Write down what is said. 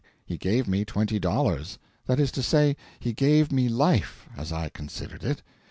He gave me twenty dollars that is to say, he gave me life, as I considered it.